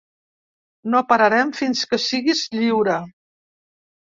No pararem fins que siguis lliure.